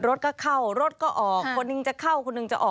รถก็เข้ารถก็ออกคนหนึ่งจะเข้าคนหนึ่งจะออก